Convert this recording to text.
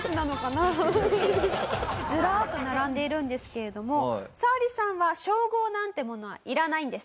ずらーっと並んでいるんですけれどもサオリさんは称号なんてものはいらないんです。